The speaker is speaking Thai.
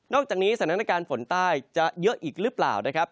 อกจากนี้สถานการณ์ฝนใต้จะเยอะอีกหรือเปล่านะครับ